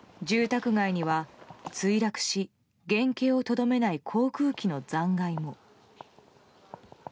住宅街には墜落し原形をとどめない航空機の残骸も。